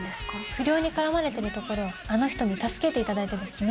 不良に絡まれてるところをあの人に助けていただいてですね